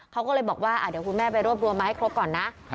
เขาก็เลยบอกว่าเดี๋ยวคุณแม่ไปรวบรวมมาให้ครบก่อนนะ